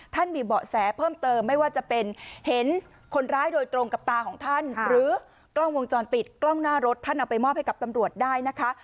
มีเบาะแสเพิ่มเติมไม่ว่าจะเป็นเห็นคนร้ายโดยตรงกับตาของท่านหรือกล้องวงจรปิดกล้องหน้ารถท่านเอาไปมอบให้กับตำรวจได้นะคะ